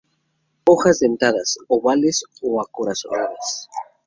Hojas dentadas, ovales o acorazonadas.